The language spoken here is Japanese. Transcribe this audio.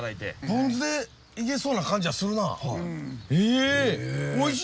ポン酢でいけそうな感じはするな。